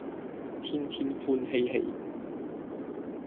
天天歡嬉戲